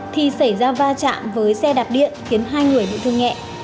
thì xảy ra va chạm với xe đạp điện khiến hai người bị thương nhẹ